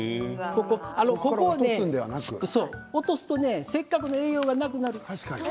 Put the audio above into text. ここで落とすとせっかくの栄養がなくなるんです。